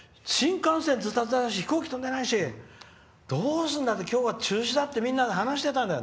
新幹線ずたずただし飛行機飛んでないし今日は中止だってみんなで話してたんだよ。